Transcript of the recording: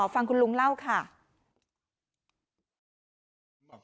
ฟังคุณลุงเล่าค่ะ